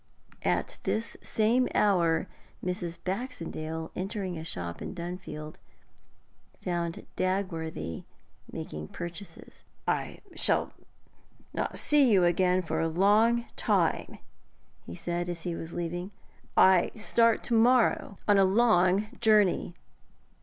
At this same hour, Mrs. Baxendale, entering a shop in Dunfield, found Dagworthy making purchases. 'I shall not see you again for a long time,' he said, as he was leaving. 'I start to morrow on a long journey.'